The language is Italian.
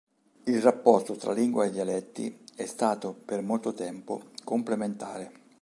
Il rapporto tra lingua e dialetti è stato per molto tempo complementare.